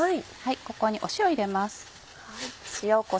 ここに塩入れます。